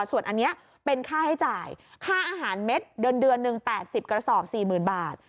ส่วนอันเนี้ยเป็นค่าให้จ่ายค่าอาหารเม็ดเดือนเดือนหนึ่งแปดสิบกระสอบสี่หมื่นบาท